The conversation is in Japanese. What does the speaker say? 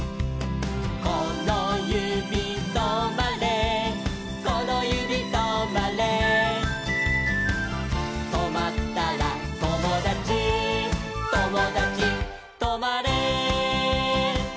「このゆびとまれこのゆびとまれ」「とまったらともだちともだちとまれ」